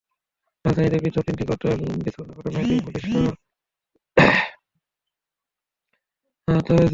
রাজধানীতে পৃথক তিনটি ককটেল বিস্ফোরণের ঘটনায় দুই পুলিশসহ চারজন আহত হয়েছেন।